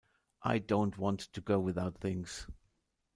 I don't want to go without things.